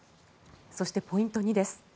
そして、ポイント２です。